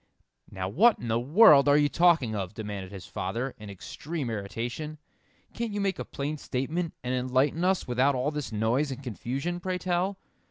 "Now what in the world are you talking of?" demanded his father, in extreme irritation. "Can't you make a plain statement, and enlighten us without all this noise and confusion, pray tell?"